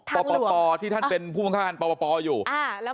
ทางหลวงปปที่ท่านเป็นผู้ประพันธาปันปปอยู่